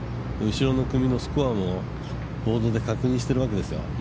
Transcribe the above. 後ろの組のスコアもボードで確認しているわけですよ。